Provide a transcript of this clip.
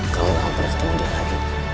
kamu gak akan pernah ketemu dia lagi